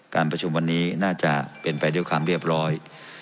การประชุมวันนี้น่าจะเป็นไปด้วยความเรียบร้อย